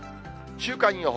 週間予報。